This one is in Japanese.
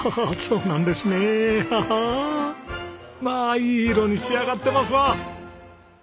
まあいい色に仕上がってますわ！